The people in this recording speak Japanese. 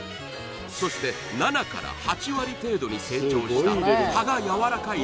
そして７から８割程度に成長した葉がやわらかい